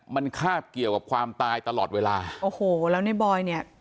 มันคาบเกี่ยวกับความตายตลอดเวลาโอ้โหแล้วในบอยเนี่ย